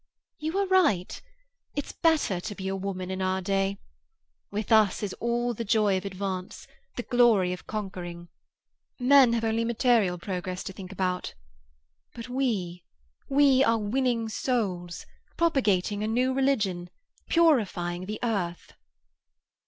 "You are right. It's better to be a woman, in our day. With us is all the joy of advance, the glory of conquering. Men have only material progress to think about. But we—we are winning souls, propagating a new religion, purifying the earth!"